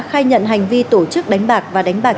khai nhận hành vi tổ chức đánh bạc và đánh bạc